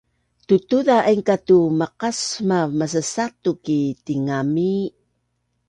Tutuza ainka tu maqasmav masasatu ki tingami